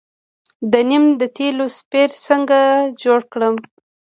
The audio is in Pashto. د نیم د تیلو سپری څنګه جوړ کړم؟